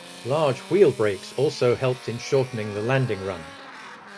Large wheel brakes also helped in shortening the landing run.